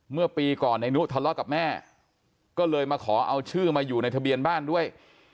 เมื่อปีก่อนในนุทะเลาะกับแม่ก็เลยมาขอเอาชื่อมาอยู่ในทะเบียนบ้านด้วย